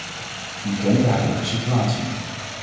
U kent de huidige situatie.